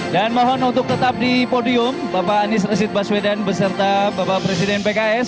dan mohon untuk tetap di podium bapak anies resit baswedan beserta bapak presiden pks